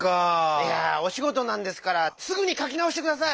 いやおしごとなんですからすぐにかきなおしてください！